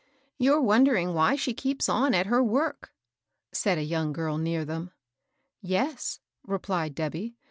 " You're wondering why she keeps on at her work ?" said a young girl near them. "Yes," repUed Debby.